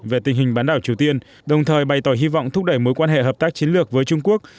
về tình hình bán đảo triều tiên đồng thời bày tỏ hy vọng thúc đẩy mối quan hệ hợp tác chiến lược với trung quốc